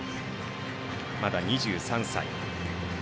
まだ２３歳。